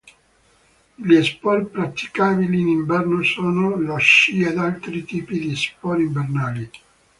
Gli sport praticabili in inverno sono lo sci ed altri tipi di sport invernali.